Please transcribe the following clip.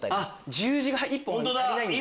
十字が１本足りないんだ。